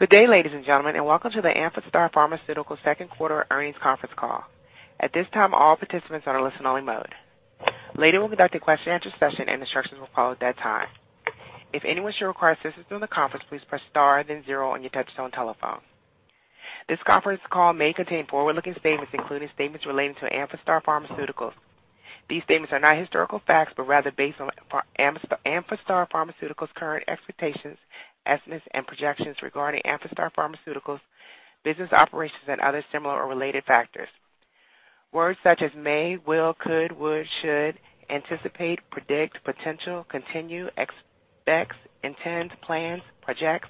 Good day, ladies and gentlemen, and welcome to the Amphastar Pharmaceuticals' Q2 earnings conference call. At this time, all participants are in a listen-only mode. Later on, we'll conduct a question-and-answer session, and instructions will follow at that time. If anyone should require assistance during the conference, please press star and then zero on your touch-tone telephone. This conference call may contain forward-looking statements, including statements relating to Amphastar Pharmaceuticals. These statements are not historical facts but rather based on Amphastar Pharmaceuticals' current expectations, estimates, and projections regarding Amphastar Pharmaceuticals' business operations and other similar or related factors. Words such as may, will, could, would, should, anticipate, predict, potential, continue, expects, intend, plans, projects,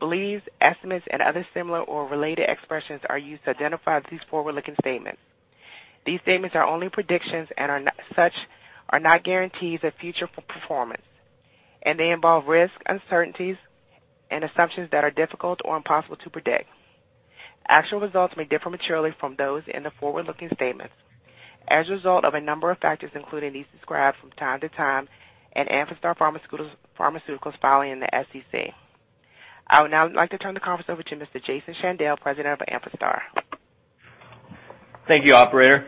believes, estimates, and other similar or related expressions are used to identify these forward-looking statements. These statements are only predictions and are not guarantees of future performance, and they involve risks, uncertainties, and assumptions that are difficult or impossible to predict. Actual results may differ materially from those in the forward-looking statements as a result of a number of factors, including those described from time to time in Amphastar Pharmaceuticals' filings with the SEC. I would now like to turn the conference over to Mr. Jason Shandell, President of Amphastar. Thank you, Operator.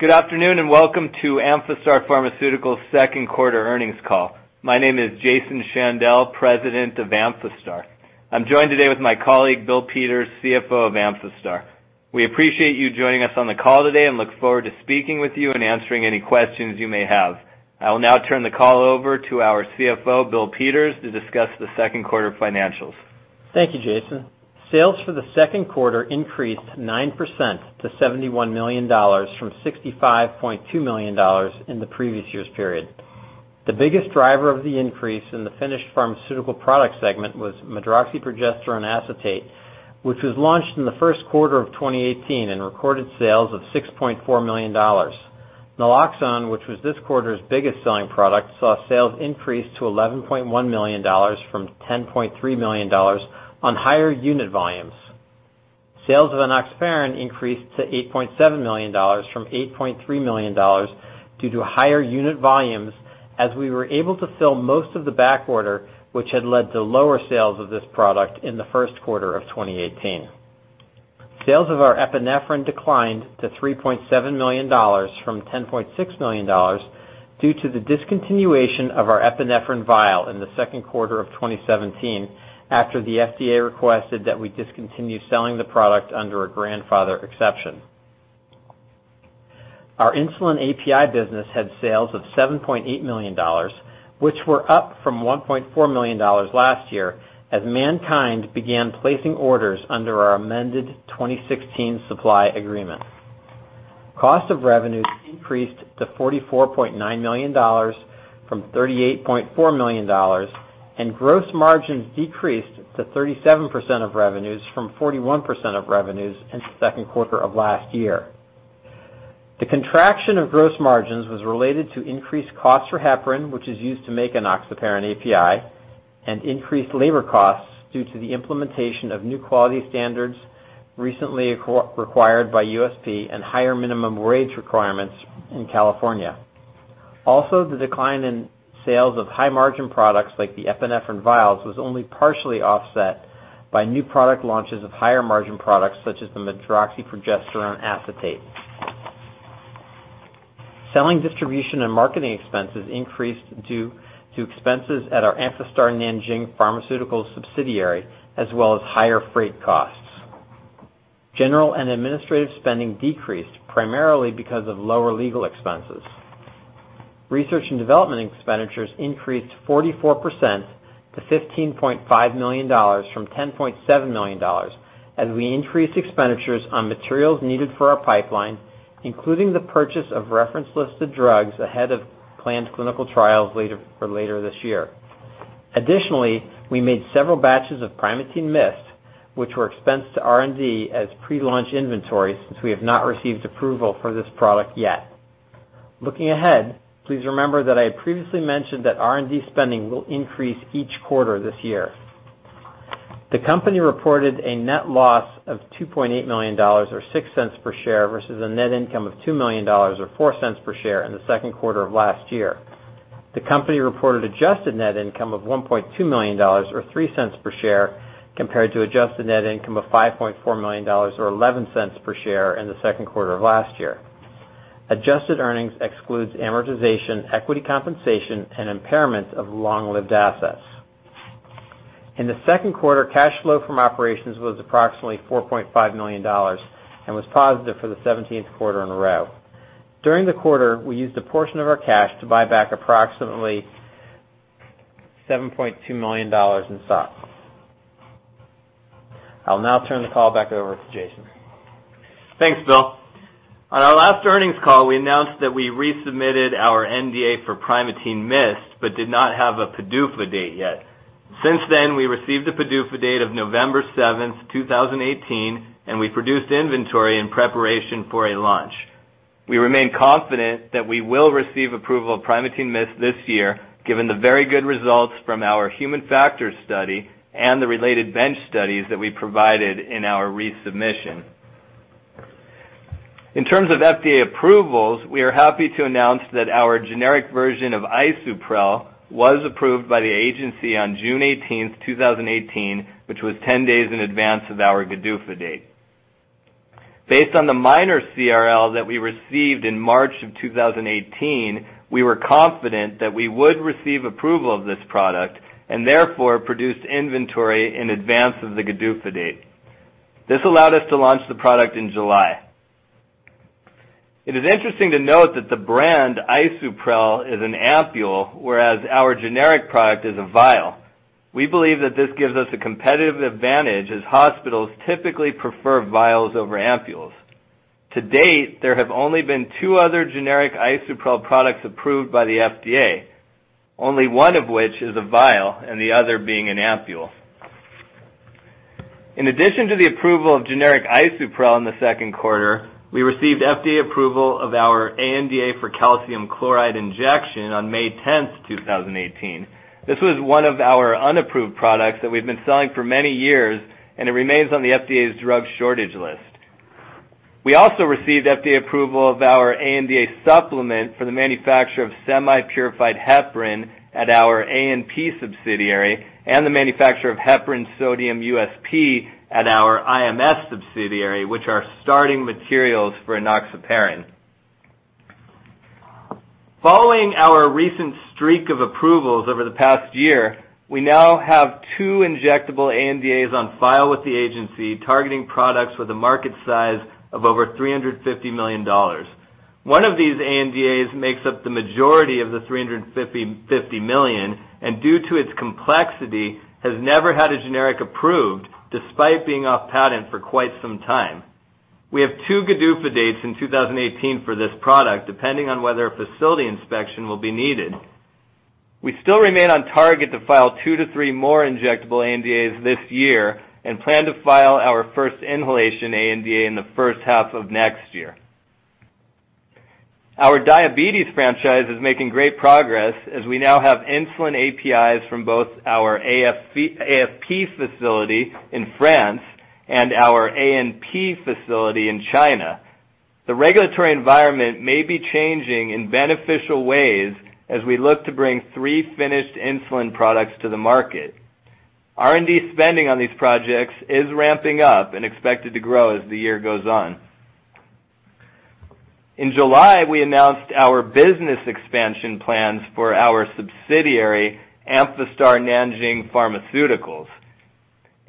Good afternoon and welcome to Amphastar Pharmaceuticals' Q2 earnings call. My name is Jason Shandell, President of Amphastar. I'm joined today with my colleague, Bill Peters, CFO of Amphastar. We appreciate you joining us on the call today and look forward to speaking with you and answering any questions you may have. I will now turn the call over to our CFO, Bill Peters, to discuss the Q2 financials. Thank you, Jason. Sales for the Q2 increased 9% to $71 million from $65.2 million in the previous year's period. The biggest driver of the increase in the finished pharmaceutical product segment was medroxyprogesterone acetate, which was launched in the Q1 of 2018 and recorded sales of $6.4 million. Naloxone, which was this quarter's biggest selling product, saw sales increase to $11.1 million from $10.3 million on higher unit volumes. Sales of enoxaparin increased to $8.7 million from $8.3 million due to higher unit volumes as we were able to fill most of the back order, which had led to lower sales of this product in the Q1 of 2018. Sales of our epinephrine declined to $3.7 million from $10.6 million due to the discontinuation of our epinephrine vial in the Q2 of 2017 after the FDA requested that we discontinue selling the product under a grandfather exception. Our insulin API business had sales of $7.8 million, which were up from $1.4 million last year as MannKind began placing orders under our amended 2016 supply agreement. Cost of revenues increased to $44.9 million from $38.4 million, and gross margins decreased to 37% of revenues from 41% of revenues in the Q2 of last year. The contraction of gross margins was related to increased costs for heparin, which is used to make enoxaparin API, and increased labor costs due to the implementation of new quality standards recently required by USP and higher minimum wage requirements in California. Also, the decline in sales of high-margin products like the epinephrine vials was only partially offset by new product launches of higher-margin products such as the medroxyprogesterone acetate. Selling, distribution, and marketing expenses increased due to expenses at our Amphastar Nanjing Pharmaceuticals' subsidiary as well as higher freight costs. General and administrative spending decreased primarily because of lower legal expenses. Research and development expenditures increased 44% to $15.5 million from $10.7 million as we increased expenditures on materials needed for our pipeline, including the purchase of reference-listed drugs ahead of planned clinical trials later this year. Additionally, we made several batches of Primatene Mist, which were expensed to R&D as pre-launch inventory since we have not received approval for this product yet. Looking ahead, please remember that I had previously mentioned that R&D spending will increase each quarter this year. The company reported a net loss of $2.8 million or 6 cents per share versus a net income of $2 million or 4 cents per share in the Q2 of last year. The company reported adjusted net income of $1.2 million or 3 cents per share compared to adjusted net income of $5.4 million or 11 cents per share in the Q2 of last year. Adjusted earnings excludes amortization, equity compensation, and impairment of long-lived assets. In the Q2, cash flow from operations was approximately $4.5 million and was positive for the 17th quarter in a row. During the quarter, we used a portion of our cash to buy back approximately $7.2 million in stock. I'll now turn the call back over to Jason. Thanks, Bill. On our last earnings call, we announced that we resubmitted our NDA for Primatene Mist but did not have a PDUFA date yet. Since then, we received a PDUFA date of November 7, 2018, and we produced inventory in preparation for a launch. We remain confident that we will receive approval of Primatene Mist this year given the very good results from our human factors study and the related bench studies that we provided in our resubmission. In terms of FDA approvals, we are happy to announce that our generic version of Isuprel was approved by the agency on June 18, 2018, which was 10 days in advance of our PDUFA date. Based on the minor CRL that we received in March of 2018, we were confident that we would receive approval of this product and therefore produced inventory in advance of the PDUFA date. This allowed us to launch the product in July. It is interesting to note that the brand Isuprel is an ampule, whereas our generic product is a vial. We believe that this gives us a competitive advantage as hospitals typically prefer vials over ampules. To date, there have only been two other generic Isuprel products approved by the FDA, only one of which is a vial and the other being an ampule. In addition to the approval of generic Isuprel in the Q2, we received FDA approval of our ANDA for calcium chloride injection on May 10, 2018. This was one of our unapproved products that we've been selling for many years, and it remains on the FDA's Drug Shortage List. We also received FDA approval of our ANDA supplement for the manufacture of semi-purified heparin at our ANP subsidiary and the manufacture of heparin sodium USP at our IMS subsidiary, which are starting materials for enoxaparin. Following our recent streak of approvals over the past year, we now have two injectable ANDAs on file with the agency targeting products with a market size of over $350 million. One of these ANDAs makes up the majority of the $350 million and, due to its complexity, has never had a generic approved despite being off patent for quite some time. We have two PDUFA dates in 2018 for this product, depending on whether a facility inspection will be needed. We still remain on target to file two to three more injectable ANDAs this year and plan to file our first inhalation ANDA in the H1 of next year. Our diabetes franchise is making great progress as we now have insulin APIs from both our AFP facility in France and our ANP facility in China. The regulatory environment may be changing in beneficial ways as we look to bring three finished insulin products to the market. R&D spending on these projects is ramping up and expected to grow as the year goes on. In July, we announced our business expansion plans for our subsidiary, Amphastar Nanjing Pharmaceuticals.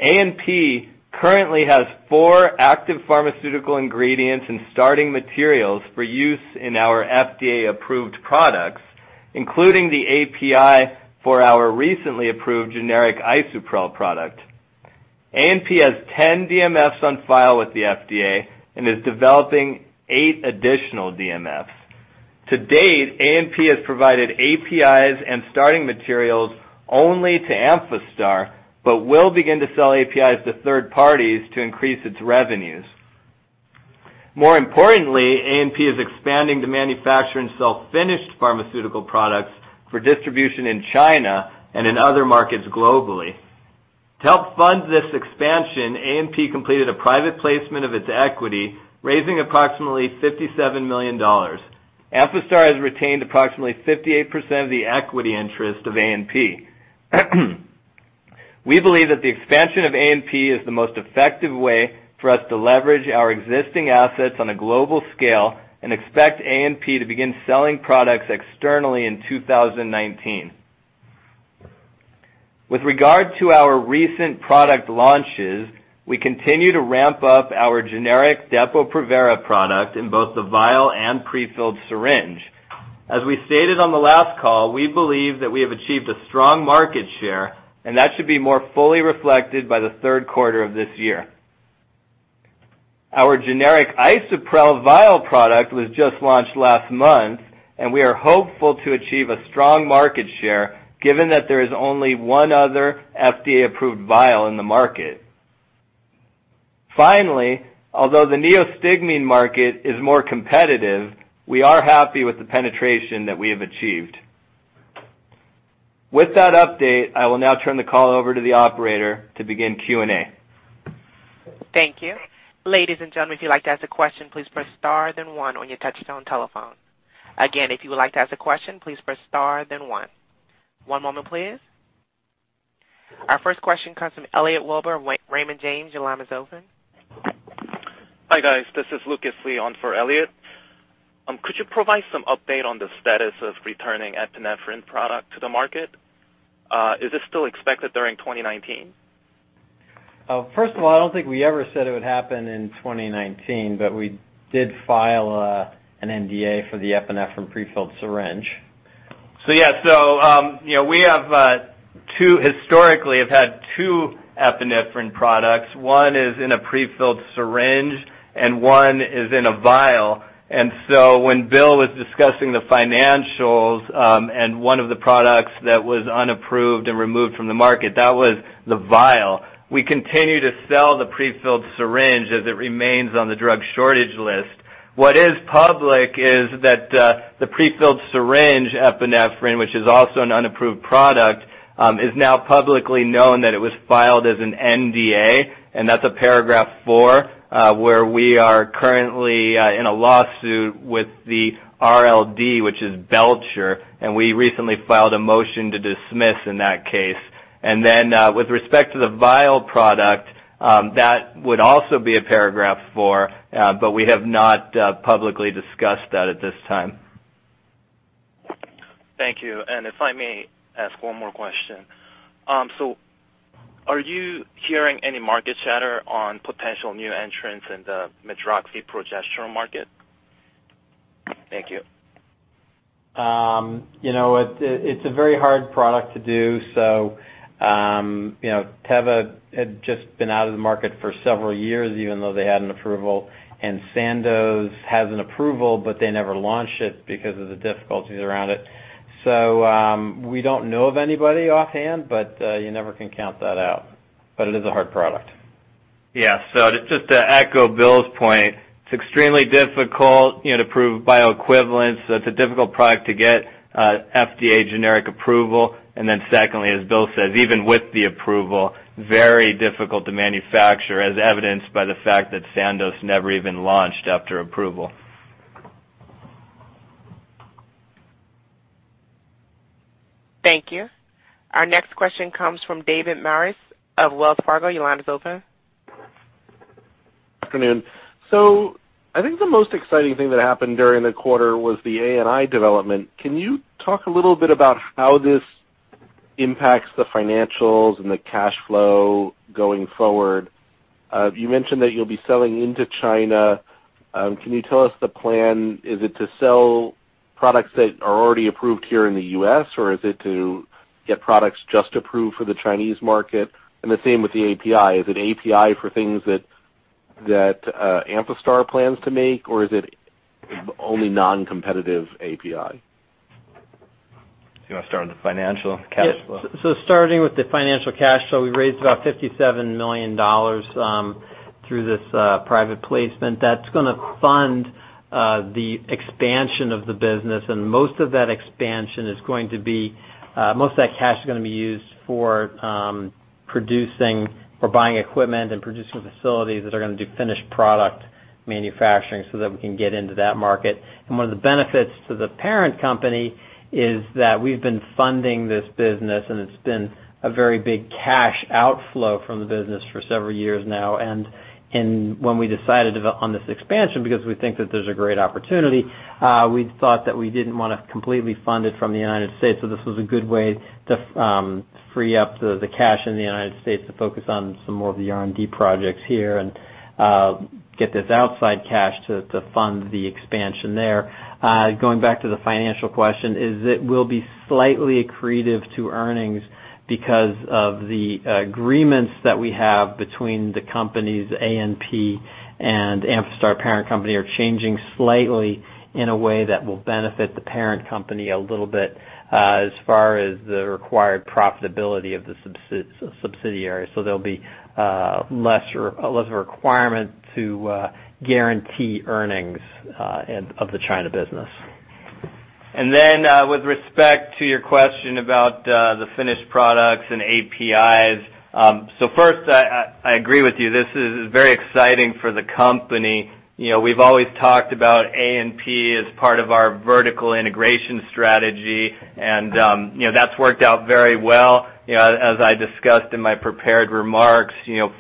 ANP currently has four active pharmaceutical ingredients and starting materials for use in our FDA-approved products, including the API for our recently approved generic Isuprel product. ANP has 10 DMFs on file with the FDA and is developing eight additional DMFs. To date, ANP has provided APIs and starting materials only to Amphastar but will begin to sell APIs to third parties to increase its revenues. More importantly, ANP is expanding to manufacture and sell finished pharmaceutical products for distribution in China and in other markets globally. To help fund this expansion, ANP completed a private placement of its equity, raising approximately $57 million. Amphastar has retained approximately 58% of the equity interest of ANP. We believe that the expansion of ANP is the most effective way for us to leverage our existing assets on a global scale and expect ANP to begin selling products externally in 2019. With regard to our recent product launches, we continue to ramp up our generic Depo-Provera product in both the vial and prefilled syringe. As we stated on the last call, we believe that we have achieved a strong market share, and that should be more fully reflected by the Q3 of this year. Our generic Isuprel vial product was just launched last month, and we are hopeful to achieve a strong market share given that there is only one other FDA-approved vial in the market. Finally, although the neostigmine market is more competitive, we are happy with the penetration that we have achieved. With that update, I will now turn the call over to the Operator to begin Q&A. Thank you. Ladies and gentlemen, if you'd like to ask a question, please press star then one on your touch-tone telephone. Again, if you would like to ask a question, please press star then one. One moment, please. Our first question comes from Elliot Wilbur, Raymond James. Hi guys, this is Lucas Lee on for Elliot. Could you provide some update on the status of returning epinephrine product to the market? Is it still expected during 2019? First of all, I don't think we ever said it would happen in 2019, but we did file an NDA for the epinephrine prefilled syringe. So yeah, so we have historically had two epinephrine products. One is in a prefilled syringe and one is in a vial. And so when Bill was discussing the financials and one of the products that was unapproved and removed from the market, that was the vial. We continue to sell the prefilled syringe as it remains on the drug shortage list. What is public is that the prefilled syringe epinephrine, which is also an unapproved product, is now publicly known that it was filed as an NDA, and that's a paragraph IV where we are currently in a lawsuit with the RLD, which is Belcher, and we recently filed a motion to dismiss in that case. And then with respect to the vial product, that would also be a paragraph IV, but we have not publicly discussed that at this time. Thank you. And if I may ask one more question. So are you hearing any market chatter on potential new entrants in the medroxyprogesterone market? Thank you. You know what? It's a very hard product to do. So Teva had just been out of the market for several years even though they had an approval, and Sandoz has an approval, but they never launched it because of the difficulties around it. So we don't know of anybody offhand, but you never can count that out. But it is a hard product. Yeah. So just to echo Bill's point, it's extremely difficult to prove bioequivalence. It's a difficult product to get FDA generic approval. And then secondly, as Bill says, even with the approval, very difficult to manufacture as evidenced by the fact that Sandoz never even launched after approval. Thank you. Our next question comes from David Maris of Wells Fargo. Your line is open. Good afternoon. So I think the most exciting thing that happened during the quarter was the ANP development. Can you talk a little bit about how this impacts the financials and the cash flow going forward? You mentioned that you'll be selling into China. Can you tell us the plan? Is it to sell products that are already approved here in the U.S., or is it to get products just approved for the Chinese market? And the same with the API. Is it API for things that Amphastar plans to make, or is it only non-competitive API? Do you want to start with the financial cash flow? So starting with the financial cash flow, we raised about $57 million through this private placement. That's going to fund the expansion of the business, and most of that cash is going to be used for producing or buying equipment and producing facilities that are going to do finished product manufacturing so that we can get into that market. And one of the benefits to the parent company is that we've been funding this business, and it's been a very big cash outflow from the business for several years now. And when we decided on this expansion, because we think that there's a great opportunity, we thought that we didn't want to completely fund it from the United States. So this was a good way to free up the cash in the United States to focus on some more of the R&D projects here and get this outside cash to fund the expansion there. Going back to the financial question, it will be slightly accretive to earnings because of the agreements that we have between the company's ANP and Amphastar parent company are changing slightly in a way that will benefit the parent company a little bit as far as the required profitability of the subsidiary. So there'll be less of a requirement to guarantee earnings of the China business. Then with respect to your question about the finished products and APIs, so first, I agree with you. This is very exciting for the company. We've always talked about ANP as part of our vertical integration strategy, and that's worked out very well. As I discussed in my prepared remarks,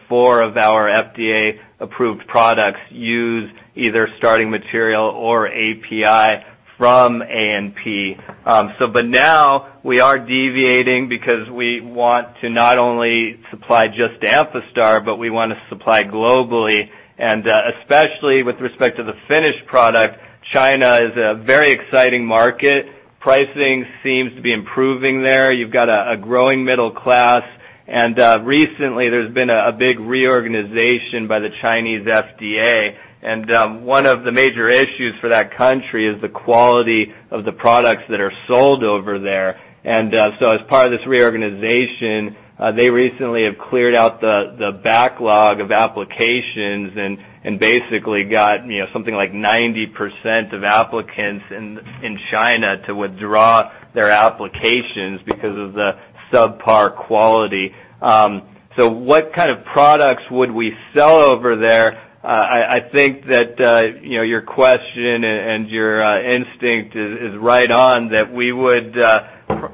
four of our FDA-approved products use either starting material or API from ANP. But now we are deviating because we want to not only supply just Amphastar, but we want to supply globally. And especially with respect to the finished product, China is a very exciting market. Pricing seems to be improving there. You've got a growing middle class, and recently there's been a big reorganization by the Chinese FDA. And one of the major issues for that country is the quality of the products that are sold over there. And so, as part of this reorganization, they recently have cleared out the backlog of applications and basically got something like 90% of applicants in China to withdraw their applications because of the subpar quality. So what kind of products would we sell over there? I think that your question and your instinct is right on that we would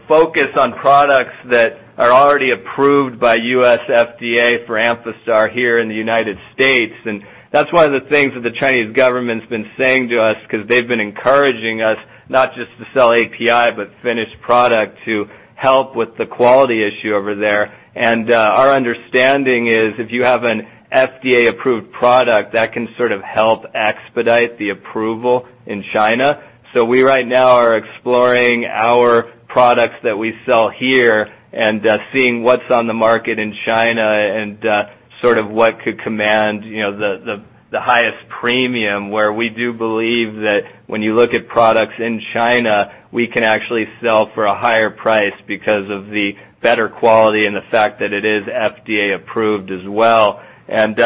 focus on products that are already approved by U.S. FDA for Amphastar here in the United States. And that's one of the things that the Chinese government's been saying to us because they've been encouraging us not just to sell API but finished product to help with the quality issue over there. And our understanding is if you have an FDA-approved product, that can sort of help expedite the approval in China. So we right now are exploring our products that we sell here and seeing what's on the market in China and sort of what could command the highest premium, where we do believe that when you look at products in China, we can actually sell for a higher price because of the better quality and the fact that it is FDA-approved as well. And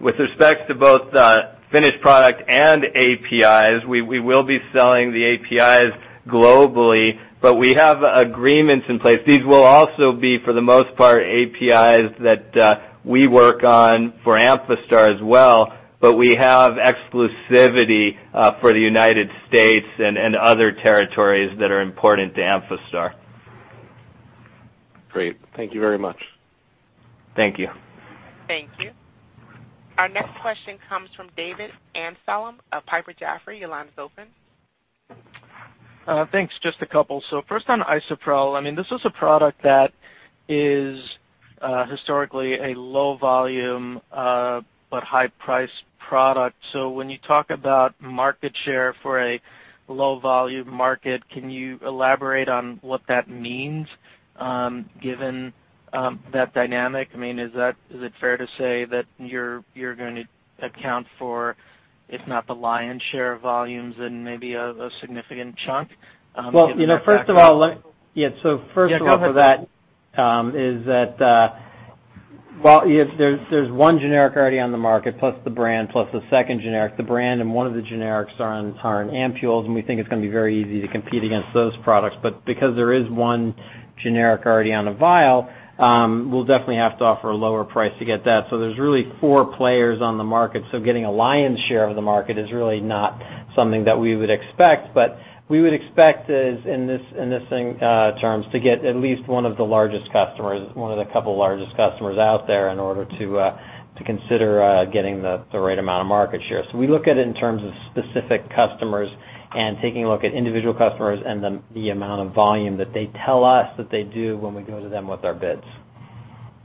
with respect to both the finished product and APIs, we will be selling the APIs globally, but we have agreements in place. These will also be, for the most part, APIs that we work on for Amphastar as well, but we have exclusivity for the United States and other territories that are important to Amphastar. Great. Thank you very much. Thank you. Thank you. Our next question comes from David Amsellem of Piper Jaffray. Your line is open. Thanks. Just a couple. So first on Isuprel, I mean, this is a product that is historically a low volume but high price product. So when you talk about market share for a low volume market, can you elaborate on what that means given that dynamic? I mean, is it fair to say that you're going to account for, if not the lion's share of volumes, then maybe a significant chunk? Well, first of all, yeah, so first of all for that is that, well, there's one generic already on the market plus the brand plus the second generic. The brand and one of the generics are in ampoules, and we think it's going to be very easy to compete against those products. But because there is one generic already on a vial, we'll definitely have to offer a lower price to get that. So there's really four players on the market. So getting a lion's share of the market is really not something that we would expect. But we would expect, in this terms, to get at least one of the largest customers, one of the couple largest customers out there in order to consider getting the right amount of market share. So we look at it in terms of specific customers and taking a look at individual customers and the amount of volume that they tell us that they do when we go to them with our bids.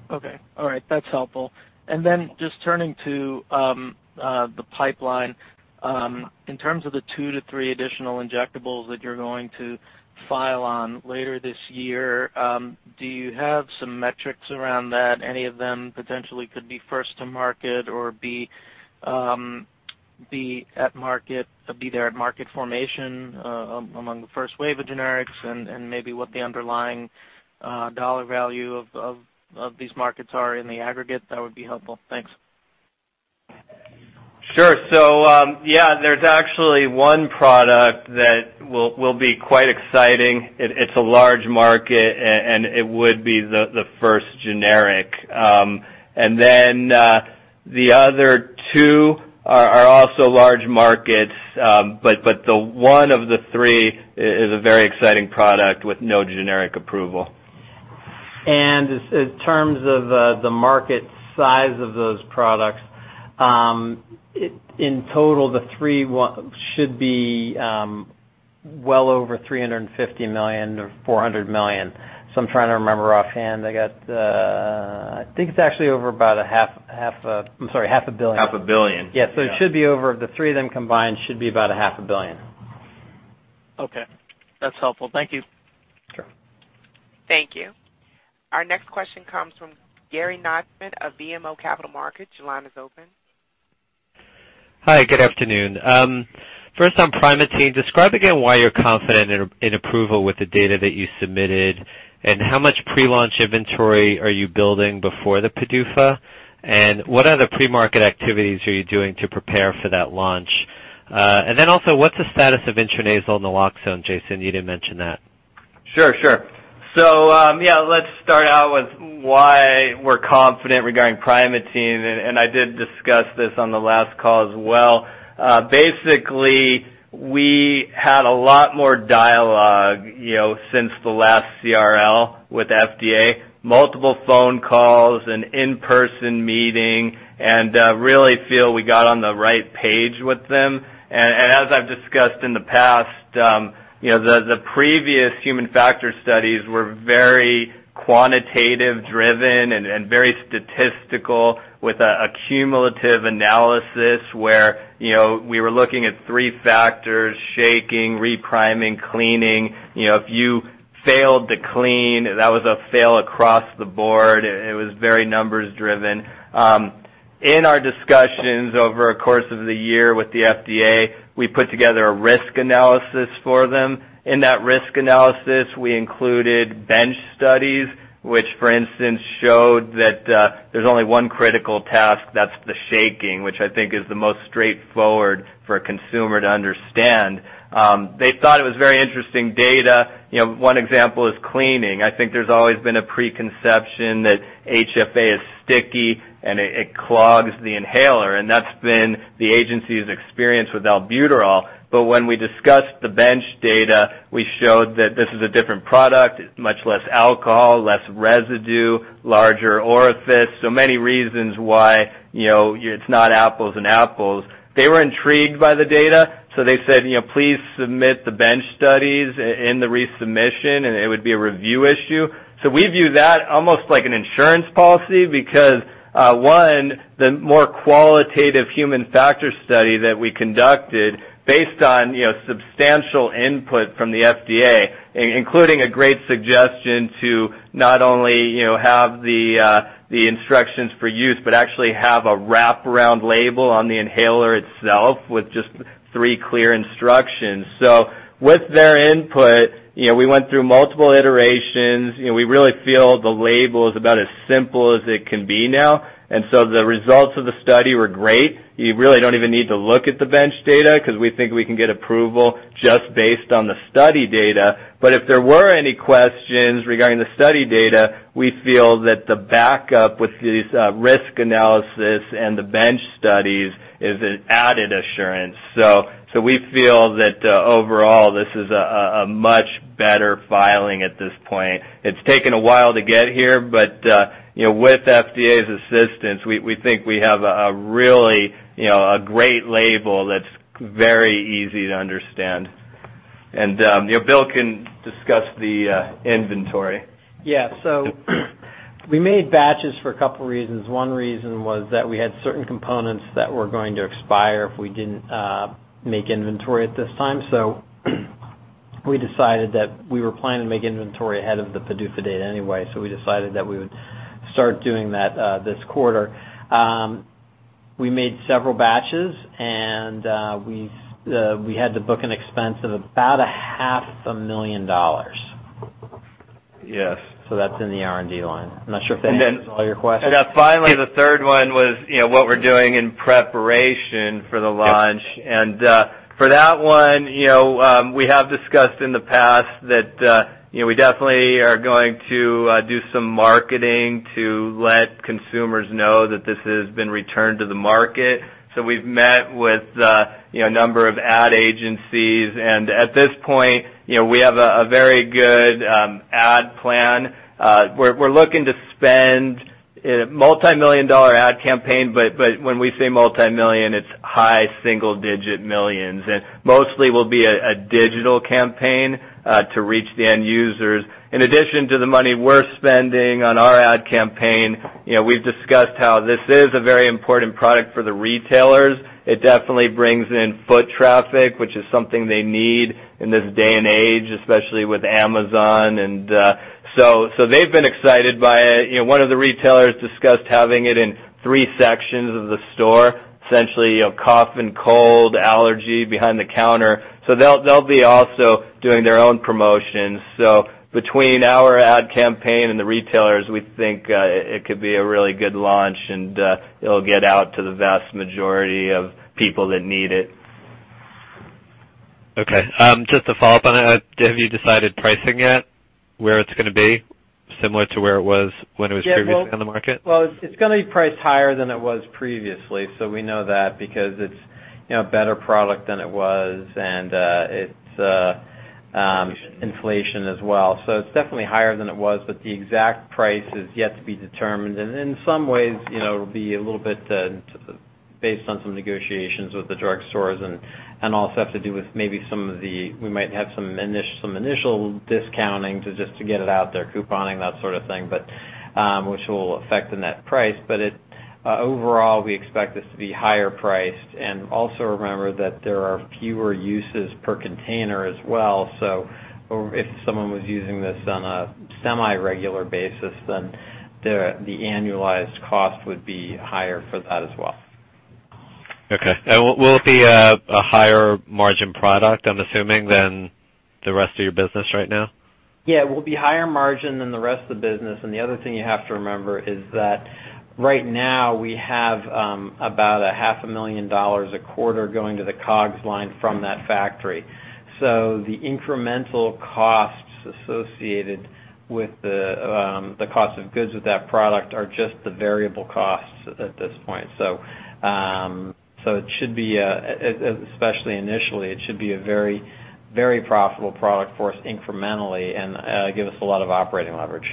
Okay. All right. That's helpful. And then just turning to the pipeline, in terms of the two to three additional injectables that you're going to file on later this year, do you have some metrics around that? Any of them potentially could be first to market or be at market, be there at market formation among the first wave of generics and maybe what the underlying dollar value of these markets are in the aggregate? That would be helpful. Thanks. Sure. So yeah, there's actually one product that will be quite exciting. It's a large market, and it would be the first generic. And then the other two are also large markets, but the one of the three is a very exciting product with no generic approval. In terms of the market size of those products, in total, the three should be well over $350 million or $400 million. I'm trying to remember offhand. I think it's actually over about $500 million. $500 million. Yeah. So it should be over the three of them combined should be about $500 million. Okay. That's helpful. Thank you. Sure. Thank you. Our next question comes from Gary Nachman of BMO Capital Markets. Your line is open. Hi. Good afternoon. First on Primatene, describe again why you're confident in approval with the data that you submitted and how much pre-launch inventory are you building before the PDUFA? And what other pre-market activities are you doing to prepare for that launch? And then also, what's the status of intranasal naloxone? Jason, you didn't mention that. Sure. Sure. So yeah, let's start out with why we're confident regarding Primatene. And I did discuss this on the last call as well. Basically, we had a lot more dialogue since the last CRL with FDA, multiple phone calls and in-person meeting, and really feel we got on the right page with them. And as I've discussed in the past, the previous human factors studies were very quantitative-driven and very statistical with a cumulative analysis where we were looking at three factors: shaking, repriming, cleaning. If you failed to clean, that was a fail across the board. It was very numbers-driven. In our discussions over the course of the year with the FDA, we put together a risk analysis for them. In that risk analysis, we included bench studies, which, for instance, showed that there's only one critical task. That's the shaking, which I think is the most straightforward for a consumer to understand. They thought it was very interesting data. One example is cleaning. I think there's always been a preconception that HFA is sticky and it clogs the inhaler. And that's been the agency's experience with albuterol. But when we discussed the bench data, we showed that this is a different product, much less alcohol, less residue, larger orifice. So many reasons why it's not apples and apples. They were intrigued by the data, so they said, "Please submit the bench studies in the resubmission, and it would be a review issue." So we view that almost like an insurance policy because, one, the more qualitative human factor study that we conducted based on substantial input from the FDA, including a great suggestion to not only have the instructions for use but actually have a wraparound label on the inhaler itself with just three clear instructions. So with their input, we went through multiple iterations. We really feel the label is about as simple as it can be now. And so the results of the study were great. You really don't even need to look at the bench data because we think we can get approval just based on the study data. But if there were any questions regarding the study data, we feel that the backup with these risk analyses and the bench studies is an added assurance. So we feel that overall, this is a much better filing at this point. It's taken a while to get here, but with FDA's assistance, we think we have a really great label that's very easy to understand. And Bill can discuss the inventory. Yeah. So we made batches for a couple of reasons. One reason was that we had certain components that were going to expire if we didn't make inventory at this time. So we decided that we were planning to make inventory ahead of the PDUFA date anyway. So we decided that we would start doing that this quarter. We made several batches, and we had to book an expense of about $500,000. So that's in the R&D line. I'm not sure if that answers all your questions. And then finally, the third one was what we're doing in preparation for the launch. And for that one, we have discussed in the past that we definitely are going to do some marketing to let consumers know that this has been returned to the market. So we've met with a number of ad agencies. And at this point, we have a very good ad plan. We're looking to spend a multi-million dollar ad campaign, but when we say multi-million, it's high single-digit millions. And mostly, it will be a digital campaign to reach the end users. In addition to the money we're spending on our ad campaign, we've discussed how this is a very important product for the retailers. It definitely brings in foot traffic, which is something they need in this day and age, especially with Amazon. And so they've been excited by it. One of the retailers discussed having it in three sections of the store, essentially cough and cold, allergy behind the counter, so they'll be also doing their own promotions, so between our ad campaign and the retailers, we think it could be a really good launch, and it'll get out to the vast majority of people that need it. Okay. Just to follow up on it, have you decided pricing yet where it's going to be, similar to where it was when it was previously on the market? It's going to be priced higher than it was previously. We know that because it's a better product than it was, and it's inflation as well. It's definitely higher than it was, but the exact price is yet to be determined. In some ways, it'll be a little bit based on some negotiations with the drugstores and also have to do with maybe some of the, we might have some initial discounting just to get it out there, couponing, that sort of thing, which will affect the net price. Overall, we expect this to be higher priced. Also remember that there are fewer uses per container as well. If someone was using this on a semi-regular basis, then the annualized cost would be higher for that as well. Okay. And will it be a higher margin product, I'm assuming, than the rest of your business right now? Yeah. It will be higher margin than the rest of the business, and the other thing you have to remember is that right now, we have about $500,000 a quarter going to the COGS line from that factory, so the incremental costs associated with the cost of goods with that product are just the variable costs at this point, so it should be, especially initially, it should be a very profitable product for us incrementally and give us a lot of operating leverage.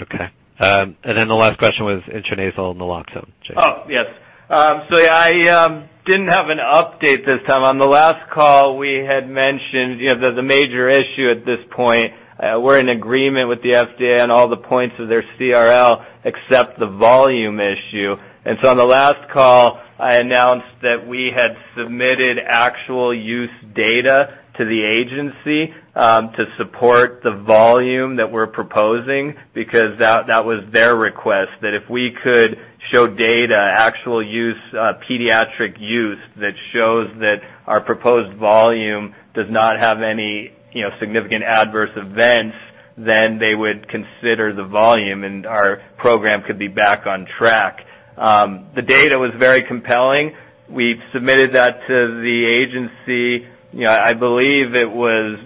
Okay, and then the last question was intranasal naloxone, Jason. Oh, yes, so I didn't have an update this time. On the last call, we had mentioned the major issue at this point. We're in agreement with the FDA on all the points of their CRL except the volume issue, and so on the last call, I announced that we had submitted actual use data to the agency to support the volume that we're proposing because that was their request that if we could show data, actual pediatric use that shows that our proposed volume does not have any significant adverse events, then they would consider the volume, and our program could be back on track. The data was very compelling. We submitted that to the agency. I believe it was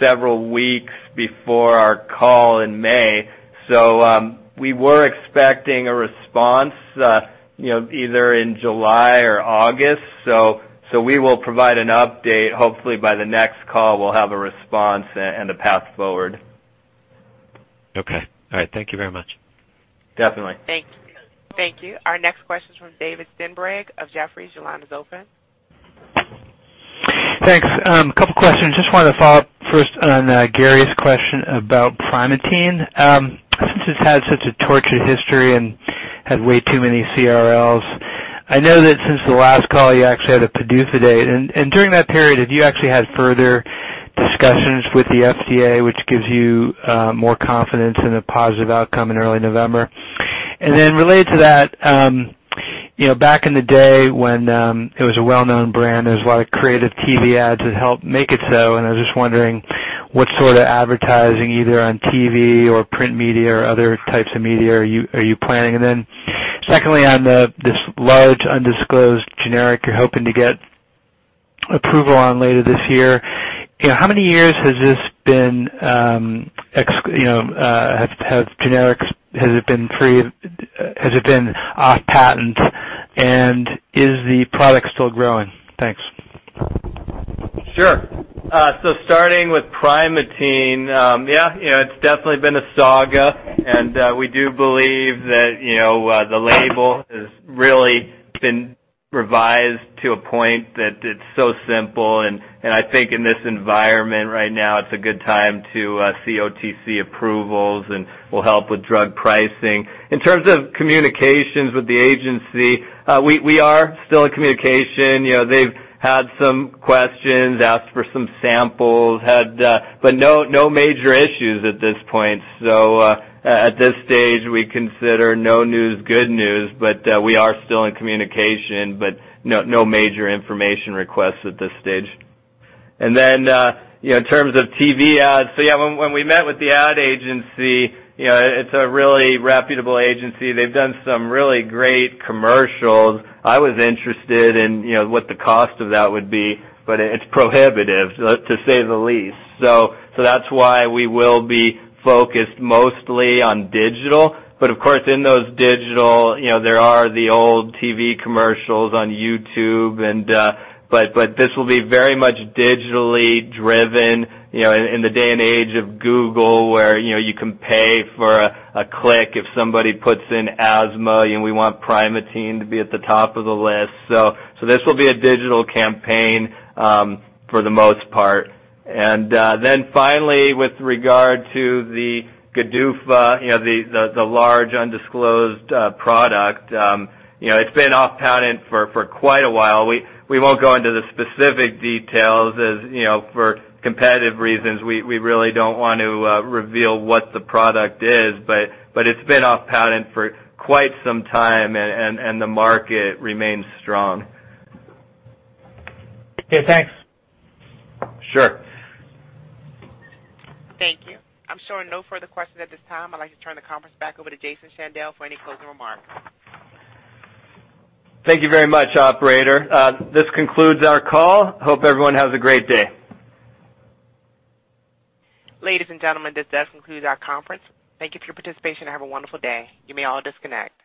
several weeks before our call in May, so we were expecting a response either in July or August, so we will provide an update. Hopefully, by the next call, we'll have a response and a path forward. Okay. All right. Thank you very much. Definitely. Thank you. Our next question is from David Steinberg of Jefferies. Your line is open. Thanks. A couple of questions. Just wanted to follow up first on Gary's question about Primatene. Since it's had such a tortured history and had way too many CRLs, I know that since the last call, you actually had a PDUFA date. And during that period, have you actually had further discussions with the FDA, which gives you more confidence in a positive outcome in early November? And then related to that, back in the day when it was a well-known brand, there was a lot of creative TV ads that helped make it so. And I was just wondering what sort of advertising, either on TV or print media or other types of media, are you planning? And then secondly, on this large undisclosed generic you're hoping to get approval on later this year, how many years has it been free of generics? Has it been off patent? And is the product still growing? Thanks. Sure. So starting with Primatene, yeah, it's definitely been a saga. And we do believe that the label has really been revised to a point that it's so simple. And I think in this environment right now, it's a good time to see OTC approvals, and we'll help with drug pricing. In terms of communications with the agency, we are still in communication. They've had some questions, asked for some samples, but no major issues at this point. So at this stage, we consider no news good news, but we are still in communication, but no major information requests at this stage. And then in terms of TV ads, so yeah, when we met with the ad agency, it's a really reputable agency. They've done some really great commercials. I was interested in what the cost of that would be, but it's prohibitive, to say the least. So that's why we will be focused mostly on digital. But of course, in those digital, there are the old TV commercials on YouTube, but this will be very much digitally driven. In the day and age of Google, where you can pay for a click if somebody puts in asthma, we want Primatene to be at the top of the list. So this will be a digital campaign for the most part. And then finally, with regard to the PDUFA, the large undisclosed product, it's been off patent for quite a while. We won't go into the specific details as for competitive reasons. We really don't want to reveal what the product is, but it's been off patent for quite some time, and the market remains strong. Okay. Thanks. Sure. Thank you. I'm showing no further questions at this time. I'd like to turn the conference back over to Jason Shandell for any closing remarks. Thank you very much, operator. This concludes our call. Hope everyone has a great day. Ladies and gentlemen, this does conclude our conference. Thank you for your participation. Have a wonderful day. You may all disconnect.